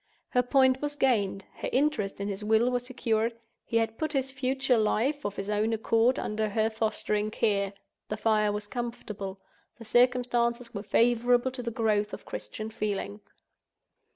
Her point was gained; her interest in his will was secured; he had put his future life, of his own accord, under her fostering care—the fire was comfortable; the circumstances were favorable to the growth of Christian feeling.